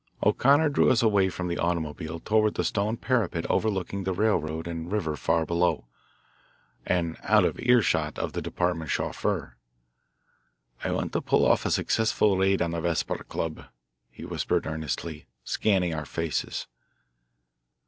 O'Connor drew us away from the automobile toward the stone parapet overlooking the railroad and river far below, and out of earshot of the department chauffeur. "I want to pull off a successful raid on the Vesper Club," he whispered earnestly, scanning our faces.